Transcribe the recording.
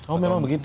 oh memang begitu